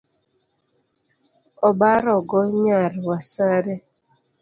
Obarogo nyar wasare